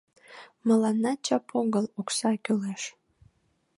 — Мыланна чап огыл, окса кӱлеш!